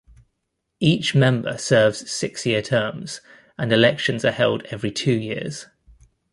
Each member serves six-year terms, and elections are held every two years.